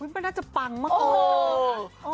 มันน่าจะปังมากเลย